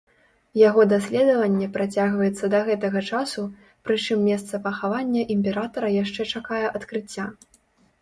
Яго даследаванне працягваецца да гэтага часу, прычым месца пахавання імператара яшчэ чакае адкрыцця.